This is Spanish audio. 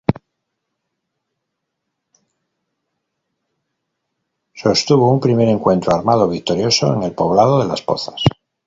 Sostuvo un primer encuentro armado victorioso en el poblado de Las Pozas.